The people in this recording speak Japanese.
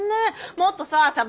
もっとさサバ